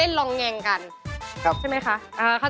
สวัสดีครับ